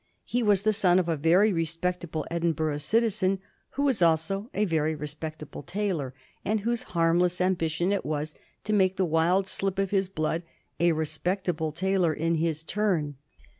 He was the son of a very respectable Ed inburgh citizen, who was also a very respectable tailor, and whose harmless ambition it was to make the wild slip of his blood a respectable tailor in his turn.